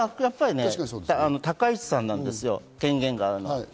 高市さんなんですよ、権限があるのは。